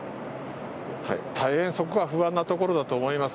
大変そこが不安なところだと思います。